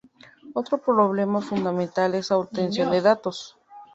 Otro problema fundamental es la obtención de datos.